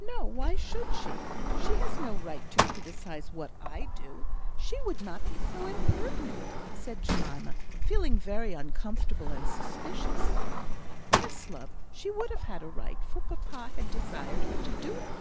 "No; why should she? She has no right to criticise what I do. She would not be so impertinent," said Jemima, feeling very uncomfortable and suspicious. "Yes, love! she would have had a right, for papa had desired her to do it."